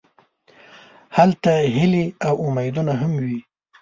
هلته هیلې او امیدونه هم وي.